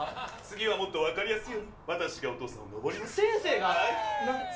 次はもっと分かりやすいように私がお父さんをのぼります先生が？何で？